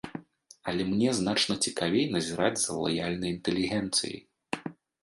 Але мне значна цікавей назіраць за лаяльнай інтэлігенцыяй.